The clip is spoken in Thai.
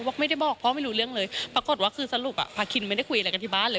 บอกไม่ได้บอกพ่อไม่รู้เรื่องเลยปรากฏว่าคือสรุปอ่ะพาคินไม่ได้คุยอะไรกันที่บ้านเลย